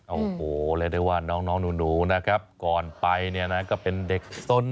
โอ้โฮได้ว่าน้องหนูนะครับก่อนไปก็เป็นเด็กสน